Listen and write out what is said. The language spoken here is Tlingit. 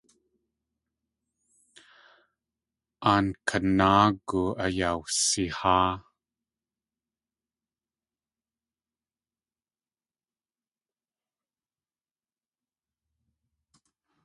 Aankanáagu ayawsiháa.